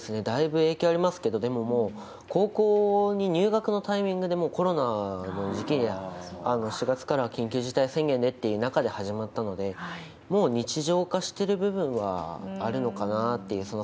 だいぶ影響ありますけれども、でももう、高校に入学のタイミングでもうコロナの時期、４月から緊急事態宣言でっていう中で始まったので、もう日常化してる部分はあるのかなっていう。